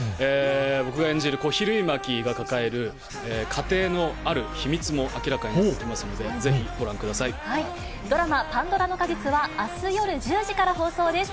僕が演じる小比類巻が抱える家庭のある秘密も明らかになってきまドラマ、パンドラの果実はあす夜１０時から放送です。